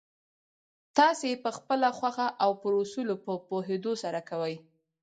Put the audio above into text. تاسې يې پخپله خوښه او پر اصولو په پوهېدو سره کوئ.